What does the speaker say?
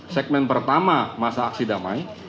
segmen pertama masa aksi damai